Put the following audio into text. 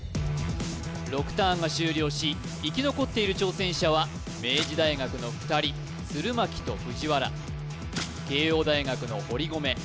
６ターンが終了し生き残っている挑戦者は明治大学の２人鶴巻と藤原慶應大学の堀籠